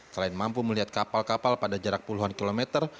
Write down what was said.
selain mampu melihat kapal kapal pada jarak puluhan kilometer